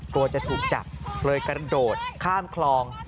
กลัวจะถูกจับเลยกระโดดข้ามคลอง